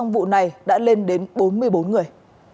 vụ này đã lên đến bốn mươi bốn người